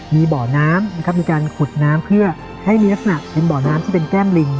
มีเบาะน้ำที่การขุดน้ำให้นับสน่ะที่เป็นเบาะน้ำแก้มลิง